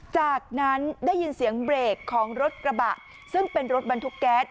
จากนั้นได้ยินเสียงเบรกของรถกระบะซึ่งเป็นรถบรรทุกแก๊ส